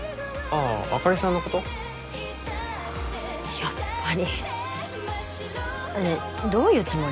やっぱりねえどういうつもり？